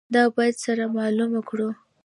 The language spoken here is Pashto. دا باید سره معلومه کړو.